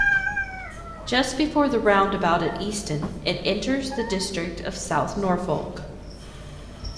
Just before the roundabout at Easton, it enters the district of South Norfolk.